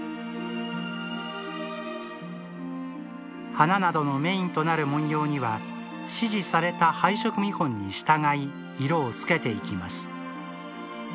花などのメインとなる文様には指示された配色見本に従い色をつけていきます